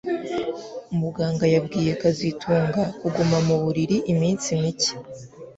Muganga yabwiye kazitunga kuguma mu buriri iminsi mike